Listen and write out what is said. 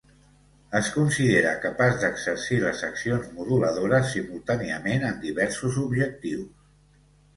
Es considera capaç de exercir les accions moduladores simultàniament en diversos objectius.